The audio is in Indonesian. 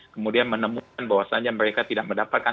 kemudian menemukan bahwasannya mereka tidak mendapatkan